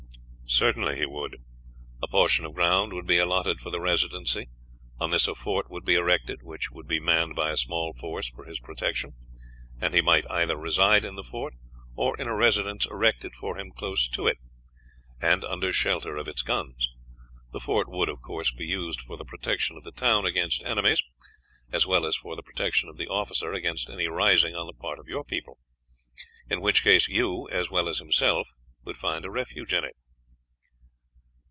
"Certainly he would. A portion of ground would be allotted for the Residency; on this a fort would be erected, which would be manned by a small force for his protection; and he might either reside in the fort or in a residence erected for him close to it, and under shelter of its guns. The fort would, of course, be used for the protection of the town against enemies, as well as for the protection of the officer against any rising on the part of your people; in which case you, as well as himself, would find a refuge in it."